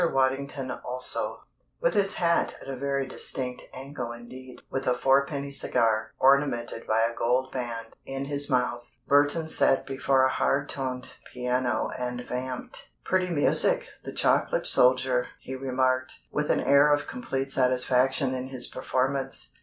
WADDINGTON ALSO With his hat at a very distinct angle indeed, with a fourpenny cigar, ornamented by a gold band, in his mouth, Burton sat before a hard toned piano and vamped. "Pretty music, The Chocolate Soldier," he remarked, with an air of complete satisfaction in his performance.